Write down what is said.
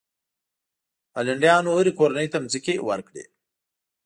هالنډیانو هرې کورنۍ ته ځمکې ورکړې.